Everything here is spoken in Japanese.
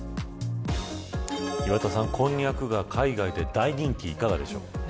岩田さん、こんにゃくが海外で大人気、いかがでしょう。